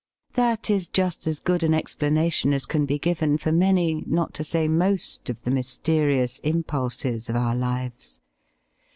That is just as good an explana tion as can be given for many, not to say most, of the mysterious impulses of our lives.